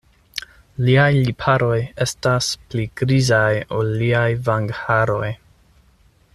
Liaj lipharoj estas pli grizaj, ol liaj vangharoj.